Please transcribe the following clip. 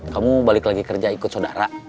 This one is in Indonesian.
kamu balik lagi kerja ikut saudara